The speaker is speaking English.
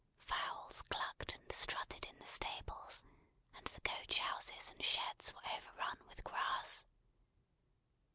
Fowls clucked and strutted in the stables; and the coach houses and sheds were over run with grass.